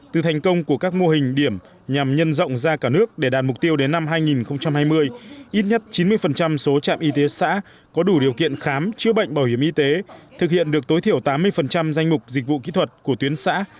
từ thành công của các mô hình điểm nhằm nhân rộng ra cả nước để đạt mục tiêu đến năm hai nghìn hai mươi ít nhất chín mươi số trạm y tế xã có đủ điều kiện khám chữa bệnh bảo hiểm y tế thực hiện được tối thiểu tám mươi danh mục dịch vụ kỹ thuật của tuyến xã